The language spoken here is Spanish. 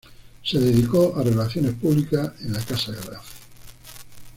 Se dedicó a Relaciones Públicas en la Casa Grace.